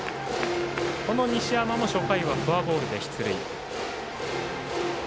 西山も初回はフォアボールで出塁。